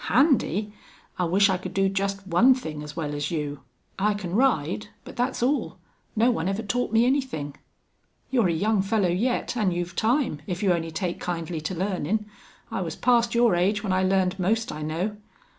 "Handy!... I wish I could do just one thing as well as you. I can ride, but that's all. No one ever taught me anything." "You're a young fellow yet, an' you've time, if you only take kindly to learnin'. I was past your age when I learned most I know."